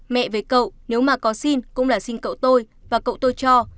mẹ về cậu nếu mà có xin cũng là xin cậu tôi và cậu tôi cho